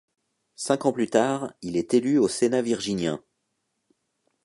Cinq ans plus tard, il est élu au Sénat virginien.